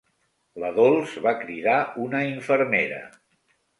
La Dols vol cridar una infermera.